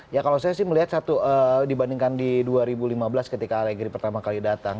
ya kalau saya sih melihat satu dibandingkan di dua ribu lima belas ketika alegri pertama kali datang